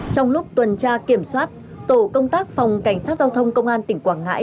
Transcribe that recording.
trong lúc tuần tra kiểm soát tổ công tác phòng cảnh sát giao thông công an tỉnh quảng ngãi